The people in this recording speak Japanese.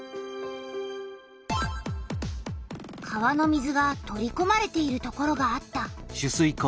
川の水が取りこまれているところがあった。